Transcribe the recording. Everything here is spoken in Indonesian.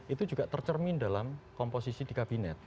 itu juga tercermin dalam komposisi di kabinet